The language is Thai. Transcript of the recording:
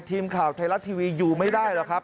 ทีมข่าวไทยรัฐทีวีอยู่ไม่ได้หรอกครับ